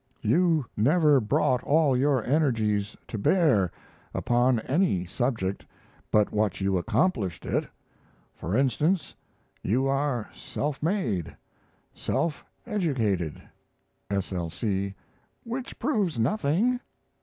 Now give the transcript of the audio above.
You never brought all your energies to bear upon any subject but what you accomplished it for instance, you are self made, self educated. 'S. L. C.' Which proves nothing.